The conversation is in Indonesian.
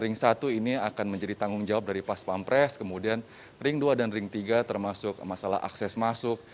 ring satu ini akan menjadi tanggung jawab dari pas pampres kemudian ring dua dan ring tiga termasuk masalah akses masuk